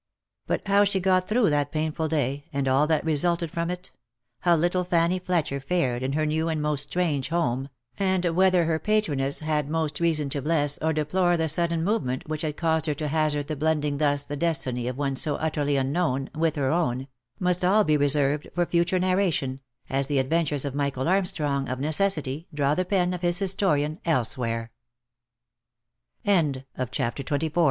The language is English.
But how she got through that painful day, and all that resulted from it — how little Fanny Fletcher fared in her new and most strange home, and whether her patroness had most reason to bless or deplore the sudden movement which had caused her to hazard the blending thus the destiny of one so utterly unknown, with her own, must all be re served for future narration, as the adventures of Michael Armstrong, of necessity, draw the pen o